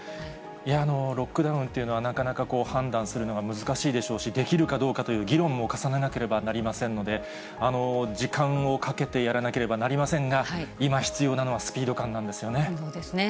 ロックダウンっていうのはなかなか判断するのが難しいでしょうし、できるかどうかという議論も重ねなければなりませんので、時間をかけてやらなければなりませんが、今、必要なのはスピード感なんですよね。